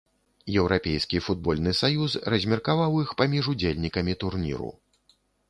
Еўрапейскі футбольны саюз размеркаваў іх паміж удзельнікамі турніру.